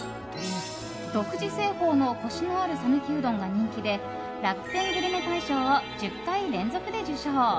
独自製法のコシのある讃岐うどんが人気で楽天グルメ大賞を１０回連続で受賞。